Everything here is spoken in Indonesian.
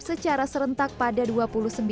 secara serentak pada hari ini